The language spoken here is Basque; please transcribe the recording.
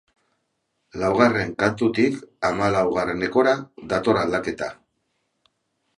Laugarren kantutik hamalaugarrenekora dator aldaketa.